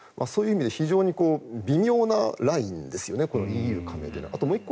そういう意味で非常に微妙なラインですよね。